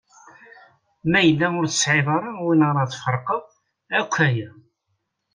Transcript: Ma yella ur tesɛiḍ ara win ara tferqeḍ akk aya.